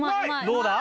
・どうだ？